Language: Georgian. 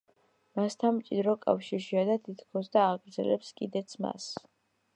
მასთან მჭიდრო კავშირშია და თითქოს და აგრძელებს კიდეც მას.